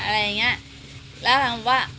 แล้วทำว่า